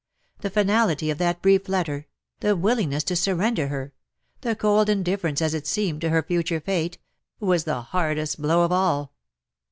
The finality of that brief letter — the willingness to surrender her — the cold indif ference, as it seemed, to her future fate — was the hardest blow of all.